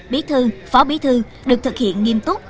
bí thư phó bí thư được thực hiện nghiêm túc